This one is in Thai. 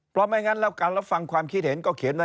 เพราะไม่งั้นการรับฟังความคิดเห็น